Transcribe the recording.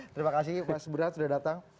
terima kasih mas burahanudin mutadi sudah datang